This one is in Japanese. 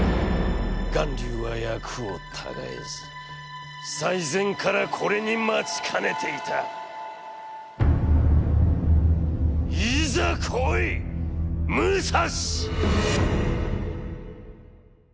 巌流は約を違えず、最前からこれに待ちかねて居た』『』」。「『ーいざ来いっ、武蔵！』」。